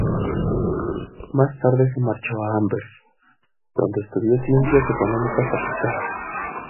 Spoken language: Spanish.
Más tarde se marchó a Amberes, donde estudió Ciencias Económicas Aplicadas.